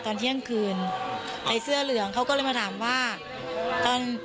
ตอนเที่ยงคืนไอ้เสื้อเหลืองเขาก็เลยมาถามว่าตอน